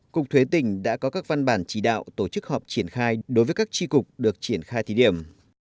cục thuế tỉnh đã có các văn bản chỉ đạo tổ chức họp triển khai đối với các tri cục được triển khai thí điểm